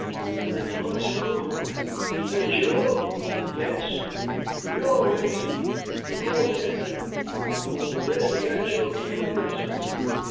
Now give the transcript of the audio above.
"I thought so! And, Joe " "Yes?" "You always always had the the best of that joke between us.